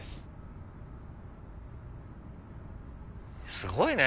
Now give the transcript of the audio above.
すごいね！